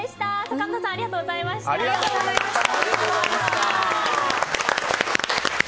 坂本さんありがとうございました。